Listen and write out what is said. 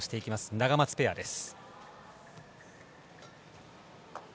ナガマツペアです。